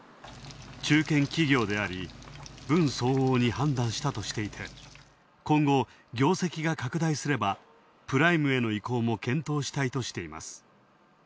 中堅企業であり、分相応に判断したとしていて、今後、業績が拡大すれば、プライムへの移行も検討したいとしています。